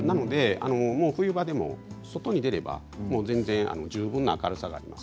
冬場でも外に出れば全然十分な明るさがあります。